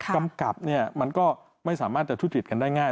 กำกับมันก็ไม่สามารถจะทุจริตกันได้ง่าย